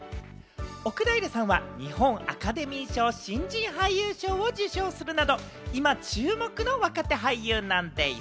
奥平さんは日本アカデミー賞新人俳優賞を受賞するなど今、注目の若手俳優なんでぃす。